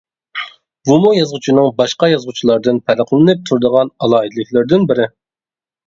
بۇمۇ يازغۇچىنىڭ باشقا يازغۇچىلاردىن پەرقلىنىپ، تۇرىدىغان ئالاھىدىلىكلىرىدىن بىرى.